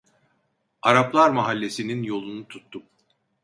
Araplar Mahallesi'nin yolunu tuttum.